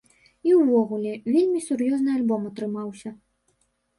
І ўвогуле, вельмі сур'ёзны альбом атрымаўся.